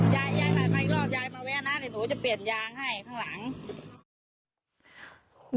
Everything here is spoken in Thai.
ยายยายหันมาอีกรอบยายมาแวะนะเดี๋ยวหนูจะเปลี่ยนยางให้ข้างหลัง